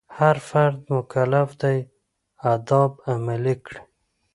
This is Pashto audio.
هر فرد مکلف دی آداب عملي کړي.